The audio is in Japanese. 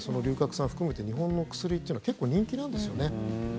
散含めて日本の薬ってのは結構、人気なんですよね。